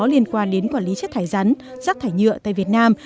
liên quan đến quản lý chất thải rắn rác thải nhựa tại việt nam